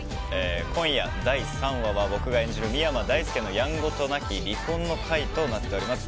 今夜、第３話は僕が演じる深山大介のやんごとなき離婚の回となっております。